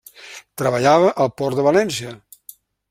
Treballava al port de València.